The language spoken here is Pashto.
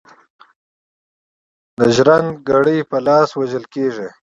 د ژرند ګړي په لاس وژل کیږي.